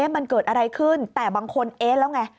มันเกิดอะไรขึ้นแต่บางคนเอ๊ะแล้วไง